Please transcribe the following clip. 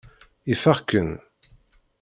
Ifeɣ-ken.